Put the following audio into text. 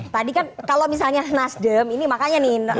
tadi kan kalau misalnya nasdem ini makanya nih